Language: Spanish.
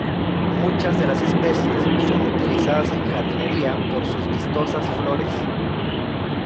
Muchas de las especies son utilizadas en jardinería por sus vistosas flores.